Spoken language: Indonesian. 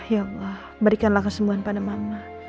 ya allah berikanlah kesembuhan pada mama